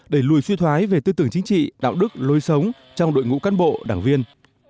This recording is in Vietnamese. đẩy lùi suy thoái về tư tưởng chính trị đạo đức lối sống trong đội ngũ cán bộ đảng viên